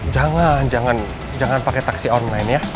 jangan jangan pakai taksi online ya